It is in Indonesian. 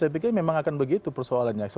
mungkin akan begitu persoalannya